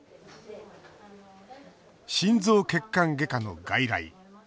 心臓血管外科の外来。